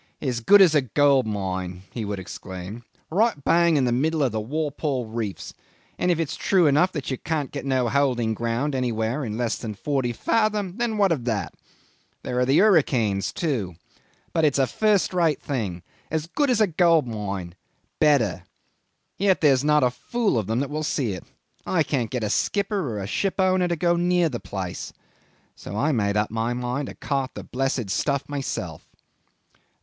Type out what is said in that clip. "As good as a gold mine," he would exclaim. "Right bang in the middle of the Walpole Reefs, and if it's true enough that you can get no holding ground anywhere in less than forty fathom, then what of that? There are the hurricanes, too. But it's a first rate thing. As good as a gold mine better! Yet there's not a fool of them that will see it. I can't get a skipper or a shipowner to go near the place. So I made up my mind to cart the blessed stuff myself."